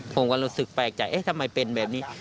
ผมก็รู้สึกแปลกใจเอ๊ะทำไมเป็นแบบนี้